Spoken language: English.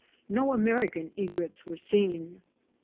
No American Egrets were seen.